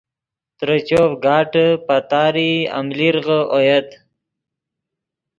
ترے چوف گاٹے، پتارئی، املیرغے اویت